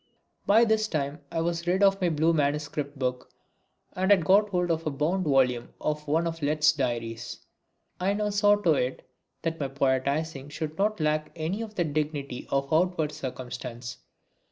By this time I was rid of my blue manuscript book and had got hold of a bound volume of one of Lett's diaries. I now saw to it that my poetising should not lack any of the dignity of outward circumstance.